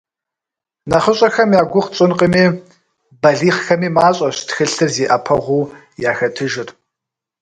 НэхъыщӀэхэм я гугъу тщӀынкъыми, балигъхэми мащӀэщ тхылъыр зи Ӏэпэгъуу яхэтыжыр.